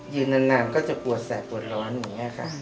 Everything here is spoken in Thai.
นานก็จะปวดแสบปวดร้อนอย่างนี้ค่ะ